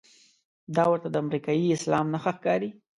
دا ورته د امریکايي اسلام نښه ښکاري.